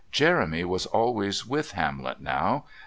Jeremy was always with Hamlet now.